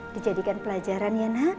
dijadikan pelajaran ya nak